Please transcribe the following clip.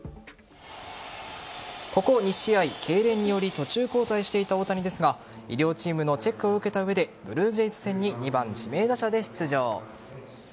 ここ２試合、けいれんにより途中交代していた大谷ですが医療チームのチェックを受けた上でブルージェイズ戦に２番・指名打者で出場。